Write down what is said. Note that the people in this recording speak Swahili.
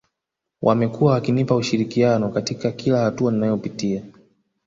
Wamekuwa wakinipa ushirikiano katika kila hatua ninayopitia